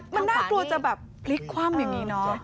มันน่ากลัวจะแบบพลิกคว่ำอย่างนี้เนอะ